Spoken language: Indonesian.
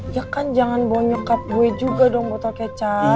ya kan jangan bohong nyokap gue juga dong boto kecap